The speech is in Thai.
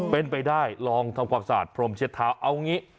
เป็นไปได้ลองทำความสะอาดพรมเช็ดเท้าเอางี้